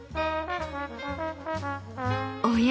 おや？